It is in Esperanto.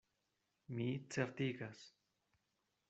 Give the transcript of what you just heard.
Mi certigas.